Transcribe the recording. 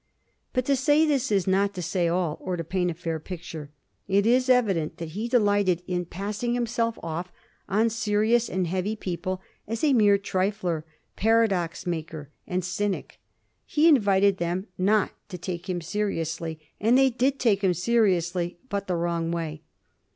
But to say this is not to say all, or to paint a fair picture. It is evident that he delighted in passing himself off on serious and heavy people as a mere trifler, paradox maker, and cynic. He invited them not to take him seriously, and they did take him seriously, but the wrong way.